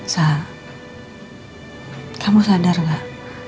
sa kamu sadar nggak